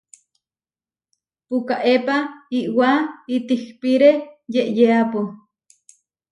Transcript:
Pukaépa iʼwá itihpíre yeʼyeápu.